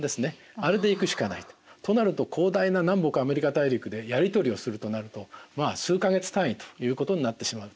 となると広大な南北アメリカ大陸でやり取りをするとなるとまあ数か月単位ということになってしまう。